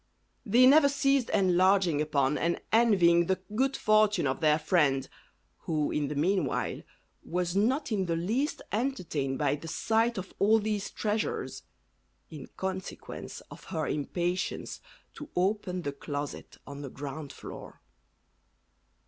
They never ceased enlarging upon and envying the good fortune of their friend, who in the meanwhile was not in the least entertained by the sight of all these treasures, in consequence of her impatience to open the closet on the ground floor.